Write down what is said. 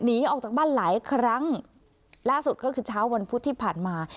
หนีออกจากบ้านหลายครั้งล่าสุดก็คือเช้าวันพุธที่ผ่านมา